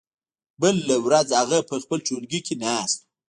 بله ورځ هغه په خپل ټولګي کې ناست و.